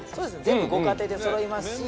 全部ご家庭でそろいますし。